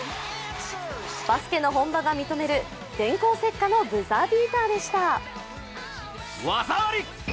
バスケの本場が認める電光石火のブザービーターでした。